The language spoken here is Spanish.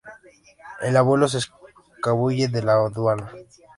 El Abuelo se escabulle de la aduana.